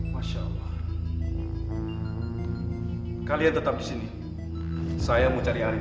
masya allah kalian tetap disini saya mau cari arief